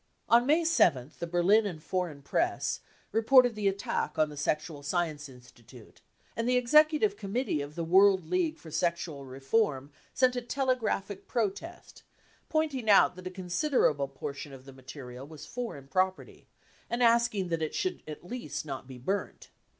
" On May 7th, the Berlin and foreign press reported the attack on the Sexual Science Institute, and the Execu tive Committee of the World League for Sexual Reform sent a telegraphic protest, pointing out that a^consider able portion of the material was foreign property, and asking that it should at least not be burnt.